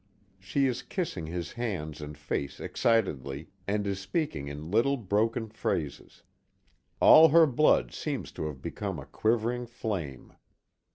She is kissing his hands and face excitedly, and is speaking in little broken phrases. All her blood seems to have become a quivering flame.